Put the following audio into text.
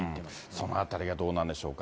そのあたりがどうなんでしょうか。